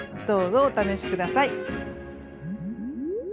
どうぞお試し下さい！